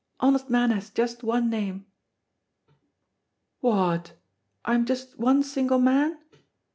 Honest men has just one name." "What! I'm just one single man?"